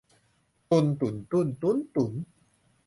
ตุน ตุ่น ตุ้น ตุ๊น ตุ๋น